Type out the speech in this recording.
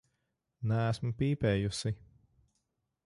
Neesmu pīpējusi.